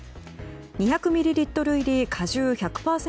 ２００ミリリットル入り果汁１００％